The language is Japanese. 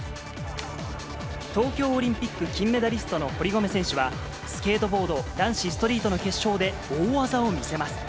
東京オリンピック金メダリストの堀米選手は、スケートボード男子ストリートの決勝で大技を見せます。